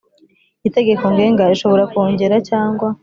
Itegeko Ngenga rishobora kongera cyangwa